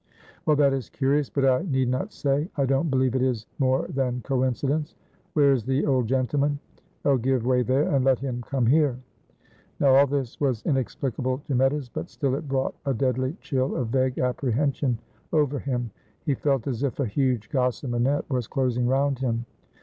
"Well, that is curious, but I need not say I don't believe it is more than coincidence. Where is the old gentleman? Oh! give way there, and let him come here." Now all this was inexplicable to Meadows, but still it brought a deadly chill of vague apprehension over him. He felt as if a huge gossamer net was closing round him.